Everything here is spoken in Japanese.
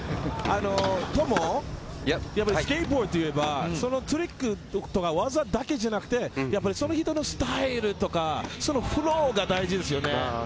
トモ、スケートボードといえば、トリックのことが技だけじゃなくて、その人のスタイルとか、フローが大事ですよね。